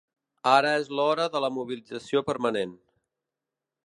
Ara és l’hora de la mobilització permanent